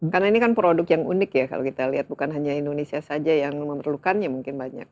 karena ini kan produk yang unik ya kalau kita lihat bukan hanya indonesia saja yang memerlukan ya mungkin banyak